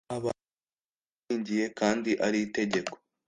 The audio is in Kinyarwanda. abantu batikingiye kandi aritegeko